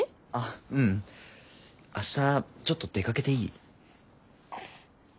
ううん明日ちょっと出かけていい？